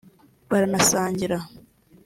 baranasangira…